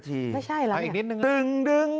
อีกนิดนึง